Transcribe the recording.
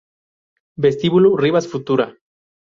Vestíbulo Rivas Futura